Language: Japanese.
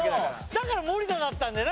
だから森田だったんだよな